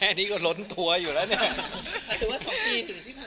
แค่นี้ก็ล้นตัวอยู่แล้วเนี่ย